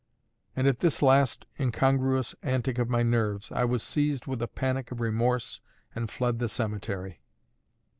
And at this last incongruous antic of my nerves, I was seized with a panic of remorse and fled the cemetery.